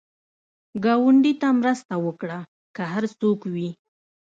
ګاونډي ته مرسته وکړه، که هر څوک وي